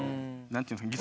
何て言うんですか